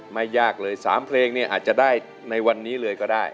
ไม่ยากเลย๓เพลงเนี่ยอาจจะได้ในวันนี้เลยก็ได้